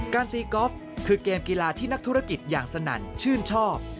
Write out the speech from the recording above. ตีกอล์ฟคือเกมกีฬาที่นักธุรกิจอย่างสนั่นชื่นชอบ